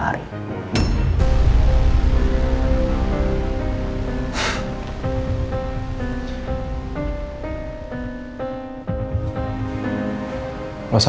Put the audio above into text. untuk mengganggu keluarga alpari